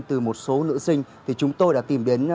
từ một số nữ sinh thì chúng tôi đã tìm đến